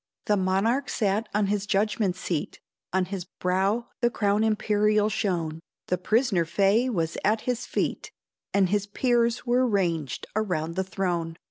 The monarch sat on his judgment seat, On his brow the crown imperial shone, The prisoner Fay was at his feet, And his peers were ranged around the throne.